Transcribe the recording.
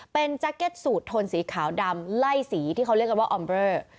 เป็นแจ็คเก็ตสูตรทนสีขาวดำไล่สีที่เขาเรียกกันว่าออมเรอ